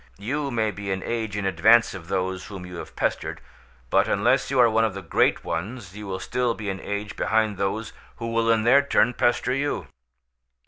You may be an age in advance of those whom you have pestered, but unless you are one of the great ones you will still be an age behind those who will in their turn pester you.